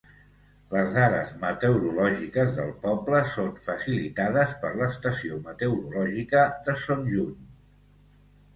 Les dades meteorològiques del poble són facilitades per l'estació meteorològica de Son Juny.